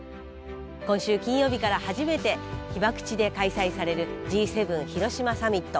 今週金曜日から初めて被爆地で開催されるＧ７広島サミット。